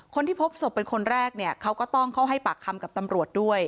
คนที่พบศพเป็นคนแรกเนี่ยเขาก็ต้องเข้าให้ปากคำกับตำรวจด้วย